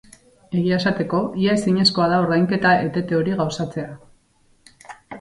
Egia esateko, ia ezinezkoa da ordainketa etete hori gauzatzea.